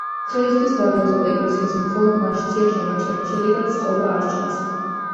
დღეისთვის დარბაზული ეკლესიის მხოლოდ ნაშთია შემორჩენილი, შედეგად წყობა არ ჩანს.